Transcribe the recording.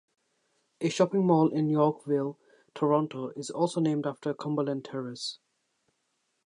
A shopping mall in Yorkville, Toronto is also named after Cumberland Terrace.